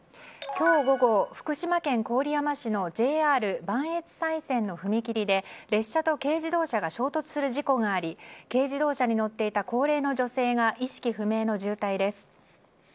今日午後、福島県郡山市のＪＲ磐越西線の踏切で列車と軽自動車が衝突する事故があり軽自動車に乗っていた高齢の女性が意識不明の重体です。